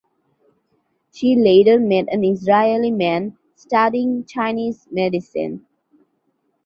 She later met an Israeli man studying Chinese medicine.